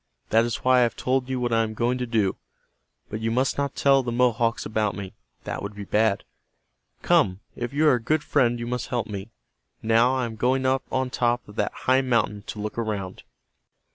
That is why I have told you what I am going to do. But you must not tell the Mohawks about me. That would be bad. Come, if you are a good friend you must help me. Now I am going up on top of that high mountain to look around."